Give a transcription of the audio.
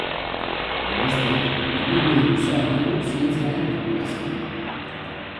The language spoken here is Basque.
Geroztik, ibilbide luzea egin du zientziaren dibulgazioan.